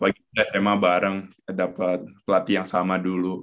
bagi kita sma bareng dapet pelatih yang sama dulu